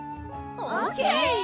オッケー！